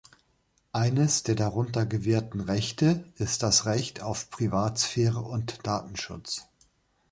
Eines der darunter gewährten Rechte ist das Recht auf Privatsphäre und Datenschutz.